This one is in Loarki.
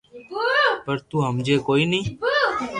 پر تو ھمجي ڪوئي ني